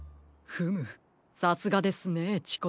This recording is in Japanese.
フムさすがですねチコちゃん。